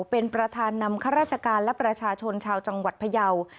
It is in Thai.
เป็นประธานนำข้าราชการและประชาชนชาวจังหวัดพยาว